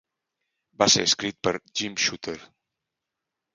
Va ser escrit per Jim Shooter.